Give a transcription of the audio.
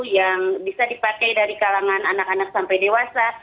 yang bisa dipakai dari kalangan anak anak sampai dewasa